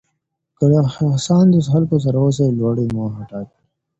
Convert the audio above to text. که له هڅاندو خلکو سره اوسئ لوړې موخې ټاکئ.